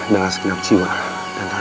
dengan seginap jiwa dan tataku